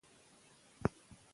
که لمونځ وکړو نو سکون نه ورکيږي.